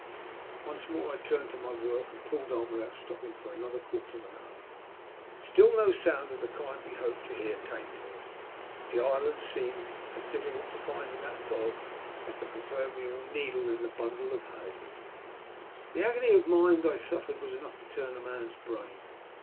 Once more I turned to my work, and pulled on without stopping for another quarter of an hour. Btill no sound of the kind we hoped to hear came to us. The island seemod A BITTER DISAPPOINTMENT. 187 as difficult to find in that fog as the proverbial needle in the bundle of hay. The agony of mind I suffered was enough to turn a man's brain.